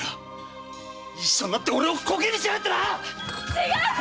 違う！